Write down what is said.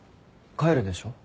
帰るでしょ？